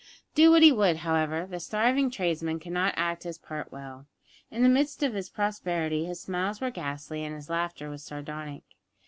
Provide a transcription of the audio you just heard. Do what he would, however, this thriving tradesman could not act his part well. In the midst of his prosperity his smiles were ghastly and his laughter was sardonic.